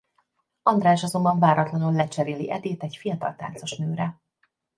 András azonban váratlanul lecseréli Edét egy fiatal táncosnőre.